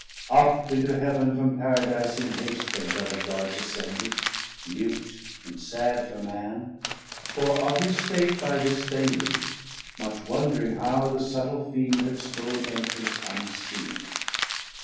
Up into Heav'n from Paradise in hast Th' Angelic Guards ascended, mute and sad For Man, for of his state by this they knew, Much wondring how the suttle Fiend had stoln 20 Entrance unseen.